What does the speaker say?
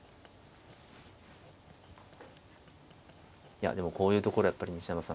いやでもこういうところやっぱり西山さんの。